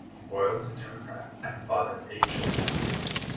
Boyle was a Democrat, and the father of eight children.